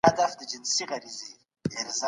کمپيوټر کلائنټ ته کار کوي.